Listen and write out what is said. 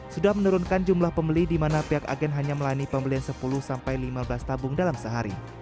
sudah menurunkan jumlah pembeli di mana pihak agen hanya melani pembelian sepuluh lima belas tabung dalam sehari